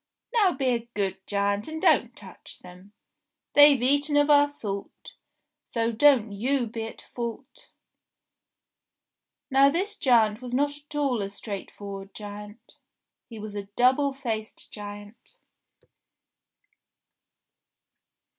Now be a good giant and don't touch them. They've eaten of our salt, so don't you be at fault !" Now this giant was not at all a straightforward giant. He was a double faced giant.